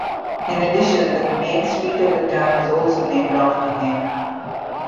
In addition, the main street of the town is also named after him.